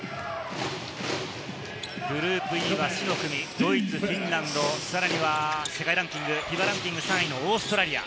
グループＥは死の組、ドイツ、フィンランド、さらには世界ランキング、ＦＩＢＡランキング３位のオーストラリア。